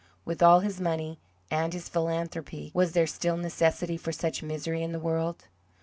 With all his money and his philanthropy, was there still necessity for such misery in the world?